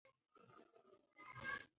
ښوونځي به پرمختګ کړی وي.